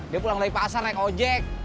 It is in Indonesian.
dia pulang dari pasar naik ojek